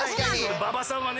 馬場さんはね。